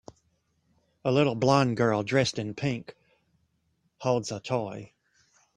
A little blond girl dressed in pink holds a toy.